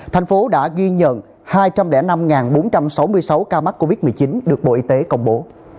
thành phố đã ghi nhận hai trăm linh năm bốn trăm sáu mươi sáu ca mắc covid một mươi chín được bộ y tế công bố